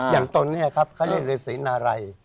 อย่างตนนี้ครับเค้าเรียกเรือศีลนารัย